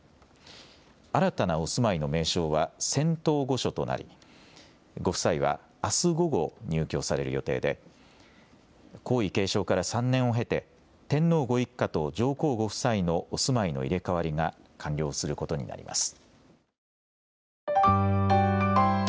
新たなお住まいの名称は仙洞御所となりご夫妻はあす午後、入居される予定で皇位継承から３年を経て天皇ご一家と上皇ご夫妻のお住まいの入れ代わりが完了することになります。